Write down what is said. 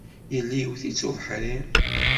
Yelli iwet-itt ubeḥri.